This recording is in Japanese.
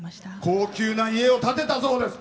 高級な家を建てたそうです。